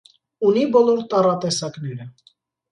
Ունի բոլոր տառատեսակները։